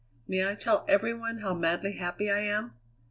May I tell every one how madly happy I am?